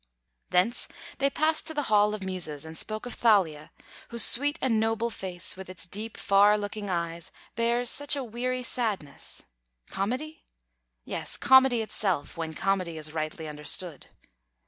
Thence they passed to the Hall of the Muses, and spoke of Thalia, whose sweet and noble face, with its deep, far looking eyes, bears such a weary sadness, Comedy? Yes; comedy itself, when comedy is rightly understood.